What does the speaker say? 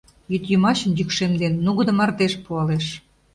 Йӱдйымачын, йӱкшемден, нугыдо мардеж пуалеш.